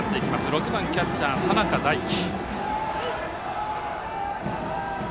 ６番キャッチャー、佐仲大輝。